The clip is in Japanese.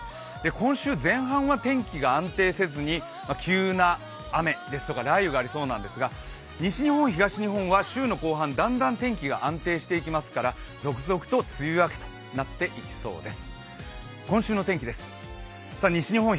今週前半は天気が安定せずに急な雨ですとか雷雨がありそうなんですが、西日本、東日本は週の後半、だんだん天気が安定していきますから続々と梅雨明けとなっていきそうです。